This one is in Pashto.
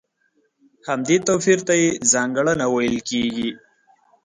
همدې توپير ته يې ځانګړنه ويل کېږي.